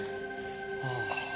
ああ。